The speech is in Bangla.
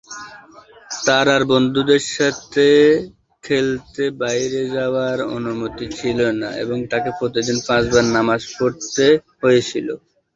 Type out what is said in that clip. তার আর বন্ধুদের সাথে খেলতে বাইরে যাওয়ার অনুমতি ছিল না এবং তাকে প্রতিদিন পাঁচবার নামাজ পড়তে হয়েছিল।